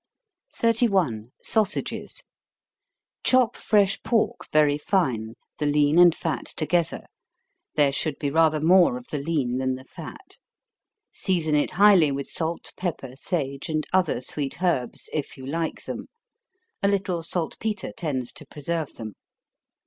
31. Sausages. Chop fresh pork very fine, the lean and fat together, (there should be rather more of the lean than the fat,) season it highly with salt, pepper, sage, and other sweet herbs, if you like them a little salt petre tends to preserve them.